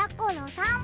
さん